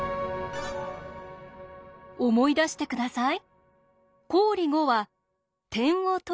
思い出して下さい。